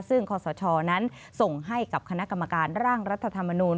ซึ่งคศนั้นส่งให้กับคณะกรรมการร่างรัฐธรรมนูล